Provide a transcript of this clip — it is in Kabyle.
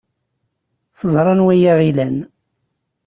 Teẓra anwa ay aɣ-ilan.